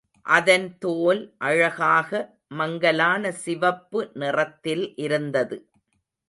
அதன் தோல் அழகாக, மங்கலான சிவப்பு நிறத்தில் இருந்தது.